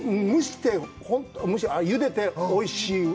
ゆでておいしい。